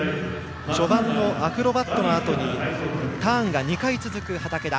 序盤のアクロバットのあとにターンが２回続く畠田。